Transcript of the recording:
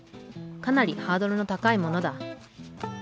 かなりハードルの高いものだ。